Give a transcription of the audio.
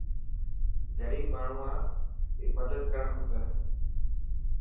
غريب ماڻهوان ري مدد ڪرڻ کپي.